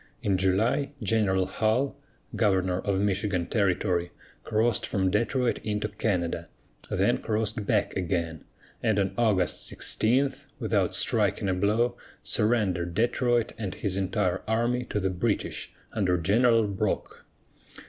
In July, General Hull, governor of Michigan territory, crossed from Detroit into Canada, then crossed back again, and on August 16, without striking a blow, surrendered Detroit and his entire army to the British under General Brock.